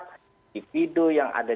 individu yang ada